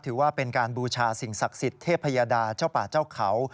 ถือว่าเป็นการบูชาสิ่งศักดิ์สิทธิ์เทพยดาเจ้าป่าเจ้าเขา